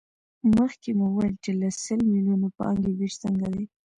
مخکې مو وویل چې له سل میلیونو پانګې وېش څنګه دی